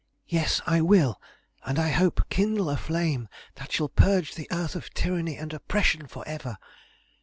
"Yes I will, and, I hope, kindle a flame that shall purge the earth of tyranny and oppression for ever.